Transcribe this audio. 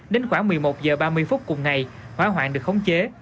đến khoảng một mươi một giờ ba mươi phút cùng ngày hóa hoạn được khống chế